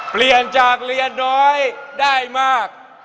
เปลี่ยนจากเรียนน้อยได้มาก